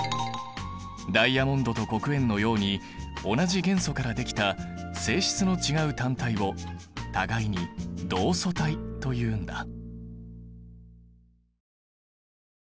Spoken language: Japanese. ダイヤモンドと黒鉛のように同じ元素からできた性質の違う単体を互いに同素体というんだ。